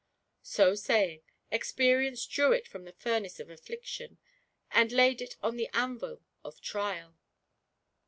So saying. Experience drew it from the furnace of Affliction, and laid it on the anvil of Trial.